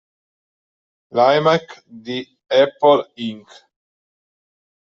L'iMac di Apple Inc.